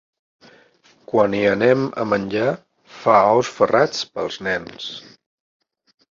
Quan hi anem a menjar, fa ous ferrats pels nens.